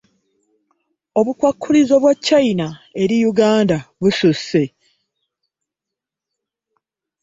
Obukwakkulizo bwa China eri Uganda bususse.